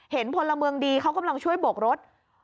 พลเมืองดีเขากำลังช่วยโบกรถ